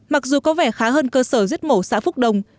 mặc dù có vẻ khá hơn cơ sở giết mổ xã phúc đồng